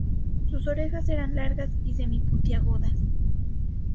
Sus orejas eran largas y semi-puntiagudas.